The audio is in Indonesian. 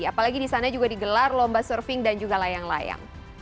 apalagi di sana juga digelar lomba surfing dan juga layang layang